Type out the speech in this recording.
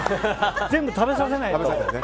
全部食べさせないと。